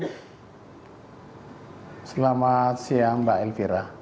selamat siang mbak elvira